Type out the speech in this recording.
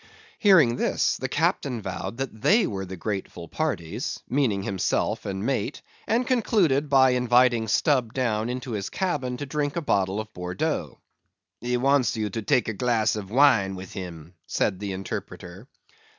Hearing this, the captain vowed that they were the grateful parties (meaning himself and mate) and concluded by inviting Stubb down into his cabin to drink a bottle of Bordeaux. "He wants you to take a glass of wine with him," said the interpreter.